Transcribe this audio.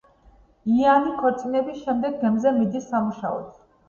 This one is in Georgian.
იანი ქორწინების შემდეგ გემზე მიდის სამუშაოდ.